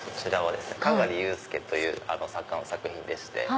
明松佑介という作家の作品でして。